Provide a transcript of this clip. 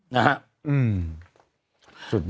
สุดยอด